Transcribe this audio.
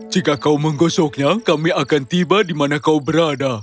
jika kau menggosoknya kami akan tiba di mana kau berada